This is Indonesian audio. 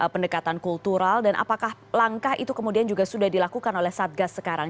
pendekatan kultural dan apakah langkah itu kemudian juga sudah dilakukan oleh satgas sekarang